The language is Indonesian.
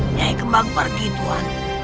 nyai kembang pergi tuan